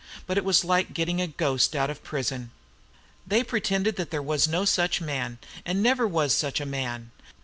But it was like getting a ghost out of prison. They pretended there was no such man, and never was such a man.